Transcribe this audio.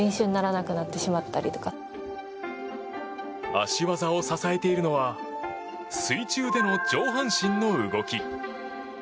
脚技を支えているのは水中での上半身の動き。